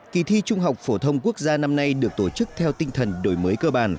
kỳ thi trung học phổ thông quốc gia năm nay được tổ chức theo tinh thần đổi mới cơ bản